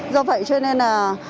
do vậy cho nên là